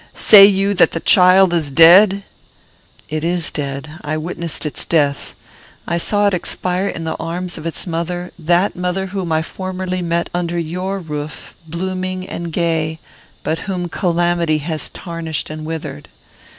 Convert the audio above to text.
Say you that the child is dead?" "It is dead. I witnessed its death. I saw it expire in the arms of its mother; that mother whom I formerly met under your roof blooming and gay, but whom calamity has tarnished and withered.